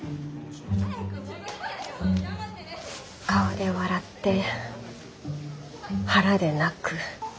顔で笑って腹で泣く。